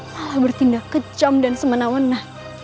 malah bertindak kecam dan semena mena